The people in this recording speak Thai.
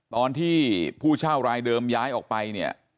ผู้เช่ารายเดิมย้ายออกไปเนี่ย